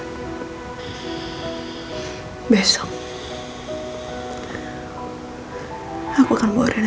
ada potensi yang menutupi seluruh twisted si layak anda karena keberadaan anda